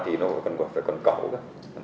thì nó còn cần cộng